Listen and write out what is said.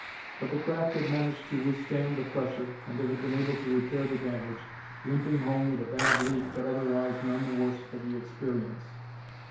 But the craft had managed to withstand the pressure and they had been able to repair the damage, limping home with a bad leak but otherwise none the worse for the experience.